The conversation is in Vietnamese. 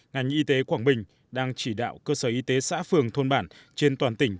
ngành y tế quảng bình đang chỉ đạo cơ sở y tế xã phường thôn bản trên toàn tỉnh